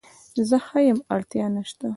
زه ښه یم اړتیا نشته